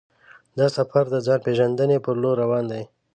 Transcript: دا سفر د ځان پېژندنې پر لور روان دی.